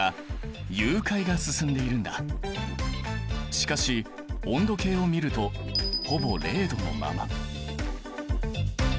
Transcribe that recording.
しかし温度計を見るとほぼ０℃のまま。